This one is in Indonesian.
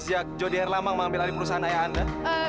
sejak jody herlambang mengambil alih perusahaan ayah anda